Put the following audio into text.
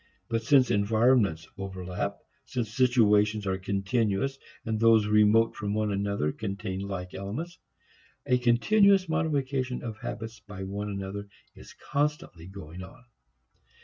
But since environments overlap, since situations are continuous and those remote from one another contain like elements, a continuous modification of habits by one another is constantly going on.